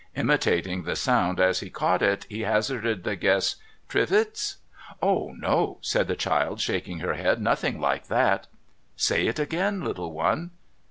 Imitating the sound as he caught it, he hazarded the guess, ' Trivils.' ' Oh no !' said the child, shaking her head. * Nothing like that.' ' Say it again, little one.'